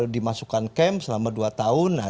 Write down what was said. dimasukkan kem selama dua tahun